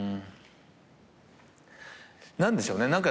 何でしょうね何か。